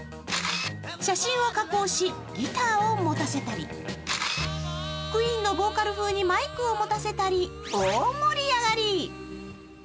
写真を加工しギターを持たせたり、ＱＵＥＥＮのボーカル風にマイクを持たせたり大盛り上がり。